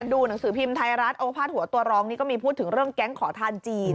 ดูหนังสือพิมพ์ไทยรัฐโอภาษหัวตัวร้องนี่ก็มีพูดถึงเรื่องแก๊งขอทานจีน